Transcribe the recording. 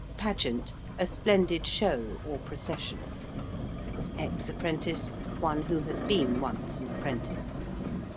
~pageant~: a splendid show or procession. ~ex apprentice~: one who has been once an apprentice.